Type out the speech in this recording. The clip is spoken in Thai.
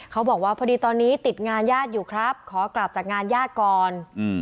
เขาบอกว่าพอดีตอนนี้ติดงานญาติอยู่ครับขอกลับจากงานญาติก่อน